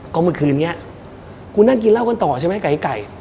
ก็เมื่อคืนนี้กูนั่งกินเหล้ากันต่อใช่ไหมกับไอ้ไก่